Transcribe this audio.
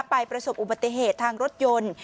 ประสบอุบัติเหตุทางรถยนต์